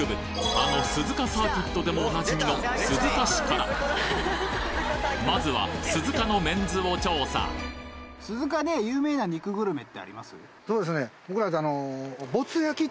あの鈴鹿サーキットでもお馴染みの鈴鹿市からまずは鈴鹿のメンズを調査そうですね。